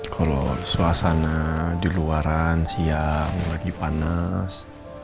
kalau suasana di luaran siang lagi panas